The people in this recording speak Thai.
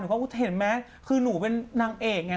นุ้งก็ว่าเห็นนะคือนุ้งเป็นนางเอกแง